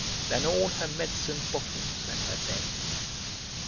than all her medicine bottles and her bed.